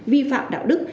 tránh vi phạm đạo đức